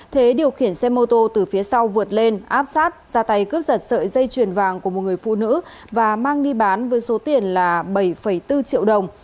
thế điều khiển xe mô tô từ phía sau vượt lên áp sát ra tay cướp giật sợi dây chuyền vàng của một người phụ nữ và mang đi bán với số tiền là bảy bốn triệu đồng